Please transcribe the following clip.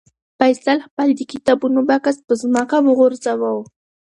فیصل خپل د کتابونو بکس په ځمکه وغورځاوه.